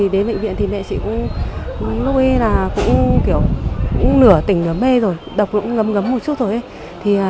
đến bệnh viện thì mẹ chị cũng lúc ấy là cũng kiểu nửa tỉnh nửa mê rồi độc cũng ngấm ngấm một chút rồi